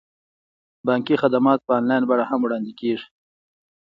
بانکي خدمات په انلاین بڼه هم وړاندې کیږي.